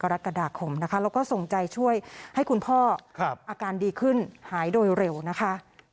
เร็วเร็วนะคะ